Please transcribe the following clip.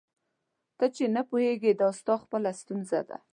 ته چي نه پوهېږې دا ستا خپله ستونزه ده.